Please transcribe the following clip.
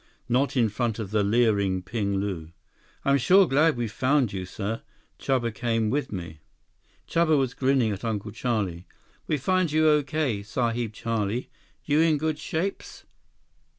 Not in front of the leering Ping Lu. "I'm sure glad we found you, sir. Chuba came with me." Chuba was grinning at Uncle Charlie. "We find you okay, Sahib Charlie. You in good shapes?"